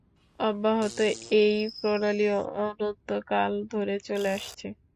অব্যাহত এই প্রণালী অনন্ত কাল ধরে চলে আসছে।